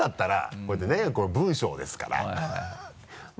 こうやってねこの文章ですから